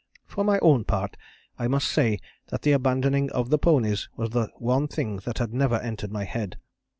For my own part I must say that the abandoning of the ponies was the one thing that had never entered my head.